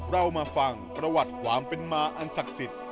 เรามาฟังประวัติความเป็นหมาอันศักษิต